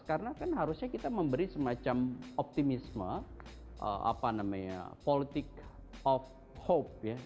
karena kan harusnya kita memberi semacam optimisme apa namanya politik of hope